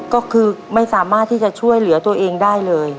ก็คือไม่สามารถที่จะช่วยเหลือตัวเองได้เลย